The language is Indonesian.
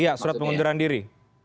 iya surat pengunduran diri